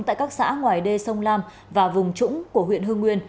tại các xã ngoài đê sông lam và vùng trũng của huyện hương nguyên